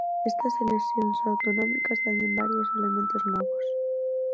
Estas eleccións autonómicas teñen varios elementos novos.